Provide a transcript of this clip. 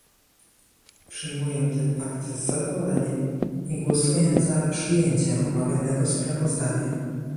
Przyjmuję ten fakt z zadowoleniem i głosuję za przyjęciem omawianego sprawozdania